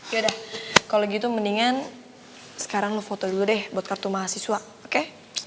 yaudah kalau gitu mendingan sekarang lo foto dulu deh buat kartu mahasiswa oke